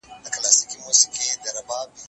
خو له زده کړې سره ګټه تلپاتې ده.